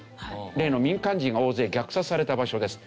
例の民間人が大勢虐殺された場所です。